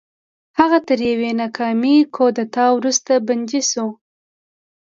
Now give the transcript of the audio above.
هغه تر یوې ناکامې کودتا وروسته بندي شو.